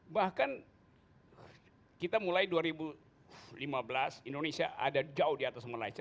bahkan kita mulai dua ribu lima belas indonesia ada jauh di atas malaysia